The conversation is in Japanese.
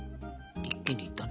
一気にいったね。